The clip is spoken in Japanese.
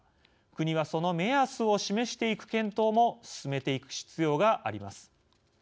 国は、その目安を示していく検討も進めていく必要があります。